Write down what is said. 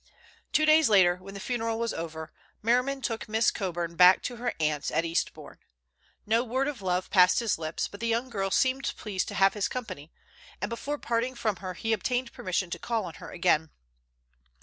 Two days later, when the funeral was over, Merriman took Miss Coburn back to her aunt's at Eastbourne. No word of love passed his lips, but the young girl seemed pleased to have his company, and before parting from her he obtained permission to call on her again.